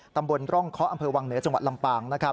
ตำบลร่องเคาะอำเภอวังเหนือจังหวัดลำปางนะครับ